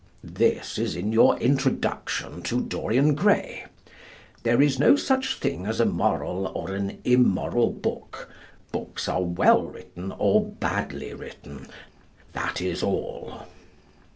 This is in your introduction to "Dorian Gray": "There is no such thing as a moral or an immoral book. Books are well written or badly written. That is all."